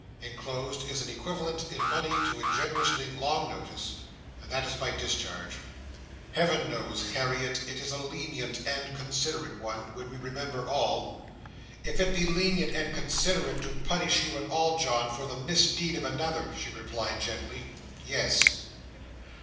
'—Enclosed is an equivalent in money to a generously long notice, and this is my discharge. Heaven knows, Harriet, it is a lenient and considerate one, when we remember all!" "If it be lenient and considerate to punish you at all, John, for the misdeed of another," she replied gently, "yes."